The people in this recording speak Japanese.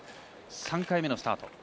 ３回目のスタート。